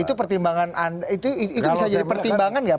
itu pertimbangan anda itu bisa jadi pertimbangan nggak